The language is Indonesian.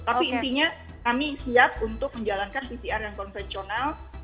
tapi intinya kami siap untuk menjalankan pcr yang konvensional